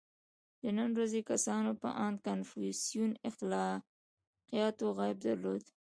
• د نن ورځې کسانو په اند کنفوسیوس اخلاقیاتو عیب درلود.